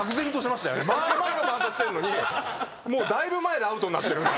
まあまあのバントしてるのにもうだいぶ前でアウトになってるんで。